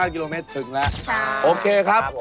๒๓๙กิโลเมตรถึงแล้วครับโอเคครับใช่ครับ